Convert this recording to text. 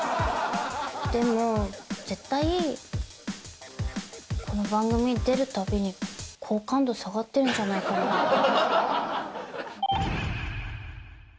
でも、絶対、この番組出るたびに、好感度下がってるんじゃないかなって。